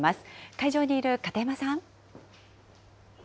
会場にいる片山さん。